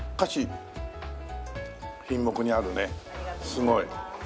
すごい。